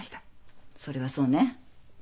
それはそうね。